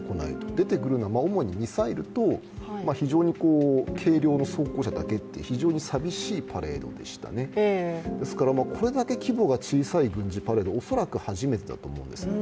出てくるのは主にミサイルと非常に軽量の装甲車だけという非常にさみしいパレードでしたね、ですからこれだけ規模が小さいパレードは恐らく初めてだと思うんです。